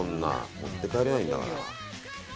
持って帰れないんだから。